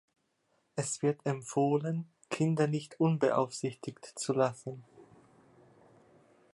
Es wird empfohlen, Kinder nicht unbeaufsichtigt zu lassen.